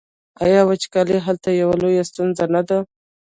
آیا وچکالي هلته یوه لویه ستونزه نه ده؟